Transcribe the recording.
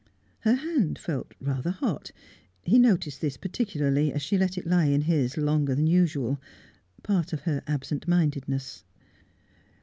Her hand felt rather hot; he noticed this particularly, as she let it lie in his longer than usual part of her absent mindedness.